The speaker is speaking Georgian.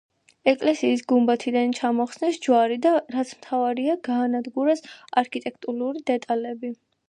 ეკლესიის გუმბათიდან ჩამოხსნეს ჯვარი და რაც მთავარია გაანადგურეს არქიტექტურული დეტალები.